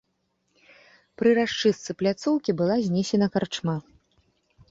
Пры расчыстцы пляцоўкі была знесена карчма.